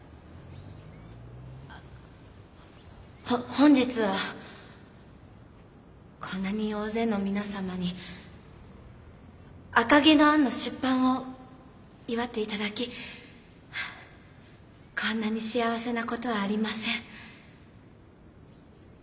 本日はこんなに大勢の皆様に「赤毛のアン」の出版を祝って頂きこんなに幸せな事はありません。